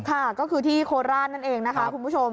ค่ะก็คือที่โคราชนั่นเองนะคะคุณผู้ชม